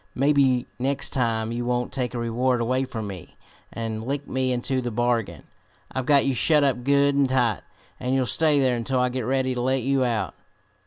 Maybe next time you won't take a reward away from me, and lick me into the bargain. I've got you shut up good and tight, and you'll stay there until I get ready to let you out."